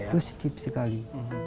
iya positif sekali